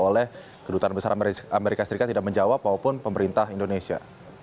oleh kedutaan besar amerika serikat tidak menjawab maupun pemerintah indonesia